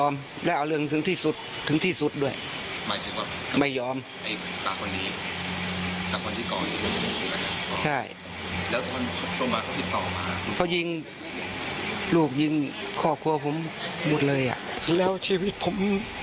เค้ายิงค่อครัวผมหมดเลยแล้วชีวิตผม